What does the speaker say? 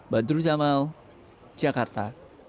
badru zamal jakarta